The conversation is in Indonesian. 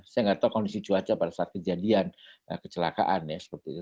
saya nggak tahu kondisi cuaca pada saat kejadian kecelakaan ya seperti itu